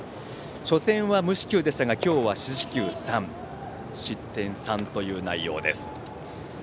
初戦は無四球でしたが今日は四死球３失点３という内容です。